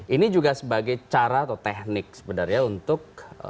ini juga sebagai cara atau teknik sebenarnya untuk